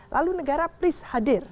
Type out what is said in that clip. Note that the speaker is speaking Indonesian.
lalu negara please hadir